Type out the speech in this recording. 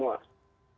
buat kita semua